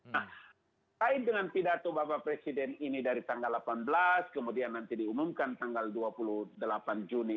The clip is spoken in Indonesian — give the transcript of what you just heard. nah kait dengan pidato bapak presiden ini dari tanggal delapan belas kemudian nanti diumumkan tanggal dua puluh delapan juni